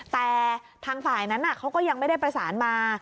แต่ทางฝ่ายนั้นเขาก็ยังไม่ได้ประสานมา